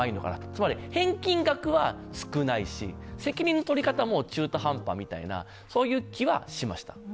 つまり、返金額は少ないし、責任の取り方も中途半端みたいなそういう気はしました。